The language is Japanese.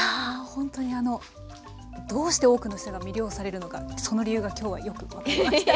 ほんとにあのどうして多くの人が魅了されるのかその理由が今日はよく分かりました。